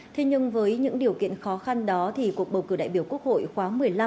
thế nhưng với những điều kiện khó khăn đó thì cuộc bầu cử đại biểu quốc hội khóa một mươi năm